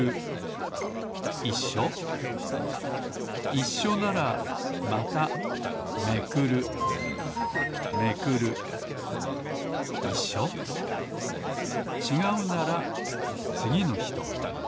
いっしょならまためくるちがうならつぎの人。